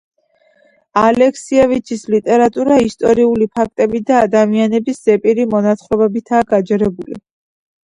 ალექსიევიჩის ლიტერატურა ისტორიული ფაქტებით და ადამიანების ზეპირი მონათხრობებითაა გაჯერებული.